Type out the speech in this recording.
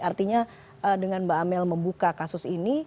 artinya dengan mbak amel membuka kasus ini